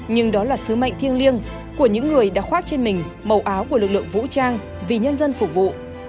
nhưng đó là sứ mệnh thiêng liêng của những người đã khoác trên mình màu áo của lực lượng vũ trang vì nhân dân phục vụ